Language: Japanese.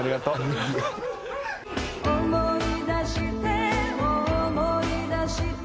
「思い出して思い出して」